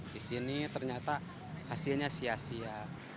di sini ternyata hasilnya sia sia